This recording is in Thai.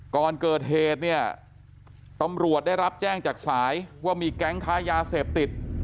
ก่อนเกิดเหตุเนี่ยตำรวจได้รับแจ้งจากสายว่ามีแก๊งค้ายาเสพติด